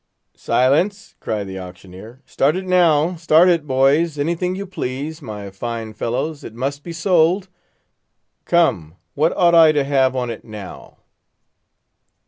"Silence!" cried the auctioneer. "Start it now—start it, boys; anything you please, my fine fellows! it must be sold. Come, what ought I to have on it, now?"